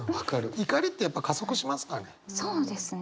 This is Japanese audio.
怒りってやっぱ加速しますかね。